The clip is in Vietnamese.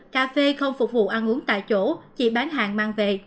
cà phê không phục vụ ăn uống tại chỗ chỉ bán hàng mang về